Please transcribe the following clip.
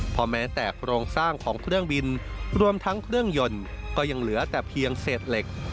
เพราะแม้แต่โครงสร้างของเครื่องบินรวมทั้งเครื่องยนต์ก็ยังเหลือแต่เพียงเศษเหล็ก